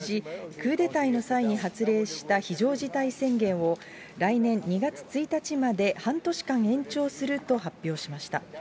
ミャンマー軍は１日、国営メディアを通じ、クーデターでの際に発令した非常事態宣言を、来年２月１日まで、半年間延長すると発表しました。